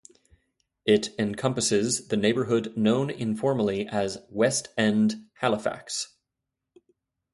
It encompasses the neighbourhood known informally as West End, Halifax.